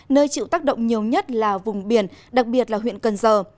nơi chịu tác động nhiều nhất là vùng biển đặc biệt là huyện cần giờ